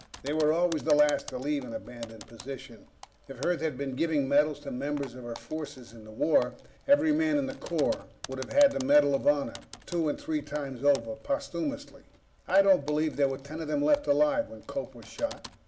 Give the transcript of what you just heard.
They were always the last to leave an abandoned position. If Earth had been giving medals to members of her forces in the war, every man in the Corps would have had the Medal of Honor two and three times over. Posthumously. I don't believe there were ten of them left alive when Cope was shot.